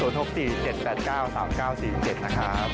ทก๔๗๘๙๓๙๔๗นะครับ